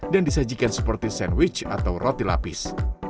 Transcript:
dan disajikan seperti sandwich atau roti lapis